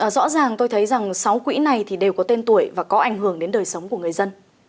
rõ ràng tôi thấy rằng sáu quỹ này đều có tên tuổi và có ảnh hưởng đến đời sống của người dân